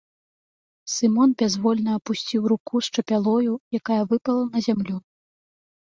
Сымон бязвольна апусціў руку з чапялою, якая выпала на зямлю.